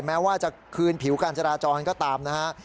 แม้ว่าจะคืนผิวการจราจรก็ตามนะฮะ